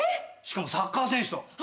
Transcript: しかもサッカー選手と。